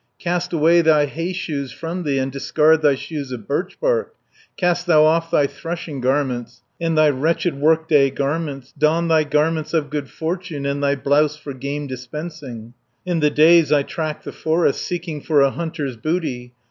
Cast away thy hay shoes from thee, And discard thy shoes of birchbark, Cast thou off thy threshing garments, And thy wretched work day garments, 140 Don thy garments of good fortune, And thy blouse for game dispensing, In the days I track the forest, Seeking for a hunter's booty.